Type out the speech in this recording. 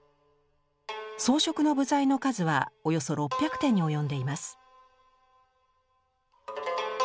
装飾の部材の数はおよそ６００点に及んでいます。